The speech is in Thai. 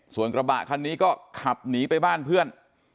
ส่วนกระบะคันนี้ก็ขับหนีไปบ้านเพื่อน